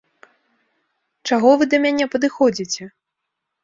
Чаго вы да мяне падыходзіце?!